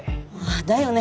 だよね